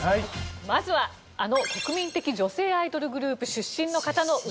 まずはあの国民的女性アイドルグループ出身の方の歌です。